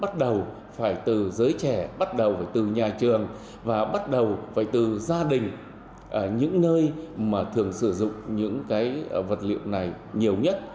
bắt đầu phải từ giới trẻ bắt đầu phải từ nhà trường và bắt đầu phải từ gia đình những nơi mà thường sử dụng những cái vật liệu này nhiều nhất